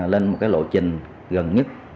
lên một lộ trình gần nhất